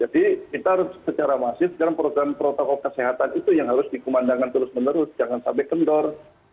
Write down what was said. jadi kita harus secara masif dalam program program protokol kesehatan itu yang harus dikemandangkan terus menerus jangan sampai kendor